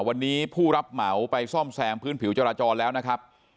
วันนี้ผู้รับเหมาไปซ่อมแซมพื้นผิวจราจรแล้วนะครับ